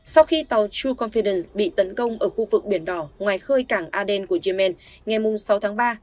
sau khi tàu troe confidence bị tấn công ở khu vực biển đỏ ngoài khơi cảng aden của yemen ngày sáu tháng ba